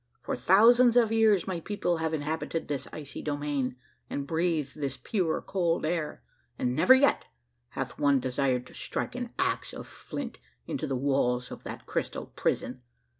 For thousands of years my people have inhabited this icy domain and breathed this pure cold air, and never yet hath one desired to strike an axe of flint into the walls of that crystal prison.